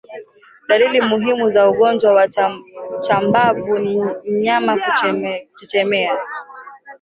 Dalili muhimu za ugonjwa wa chambavu ni mnyama kuchechemea